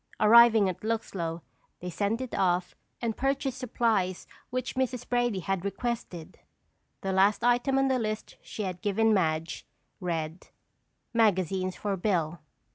Arriving at Luxlow, they sent it off and purchased supplies which Mrs. Brady had requested. The last item on the list she had given Madge, read: "magazines for Bill."